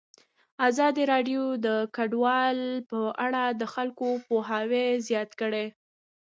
ازادي راډیو د کډوال په اړه د خلکو پوهاوی زیات کړی.